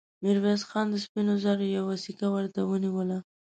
ميرويس خان د سپينو زرو يوه سيکه ورته ونيوله.